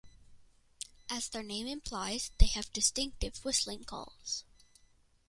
As their name implies, they have distinctive whistling calls.